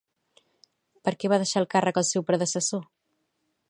Per què va deixar el càrrec el seu predecessor?